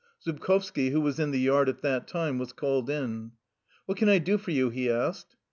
Zubkovski, who was in the yard at that time, was called in. "What can I do for you?" he asked.